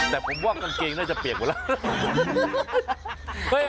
แต่ผมว่ากางเกงน่าจะเปียกหมดแล้ว